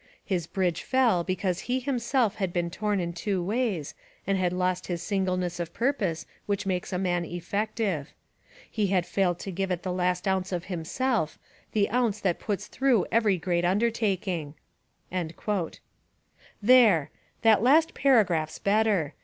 His bridge fell because he him self had been torn in two ways and had lost his single ness of purpose which makes a man effective. He had failed to give it the last ounce of himself, the ounce that puts through every great undertaking." There! That last paragraph's better!